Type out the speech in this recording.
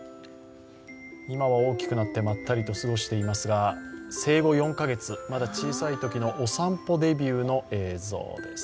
今は大きくなってまったりと過ごしていますが生後４カ月、まだ小さいときのお散歩デビューの映像です。